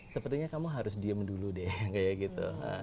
sepertinya kamu harus diem dulu deh kayak gitu